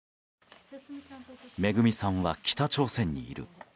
めぐみさんは北朝鮮にいる。